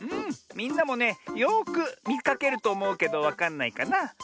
みんなもねよくみかけるとおもうけどわかんないかな？